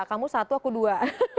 kamu satu aku dua